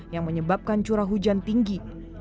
yang menyebabkan curah hujan tinggi